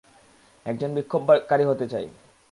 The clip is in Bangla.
একজন বিক্ষোভকারী হতে চাই।